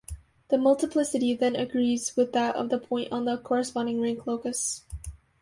The multiplicity then agrees with that of the point on the corresponding rank locus.